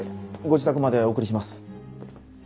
ご自宅までお送りします。